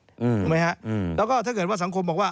ถูกไหมฮะอืมแล้วก็ถ้าเกิดว่าสังคมบอกว่า